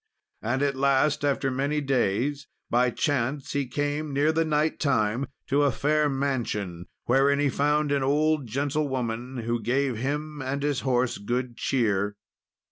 And at last, after many days, by chance he came, near the night time, to a fair mansion, wherein he found an old gentlewoman, who gave him and his horse good cheer.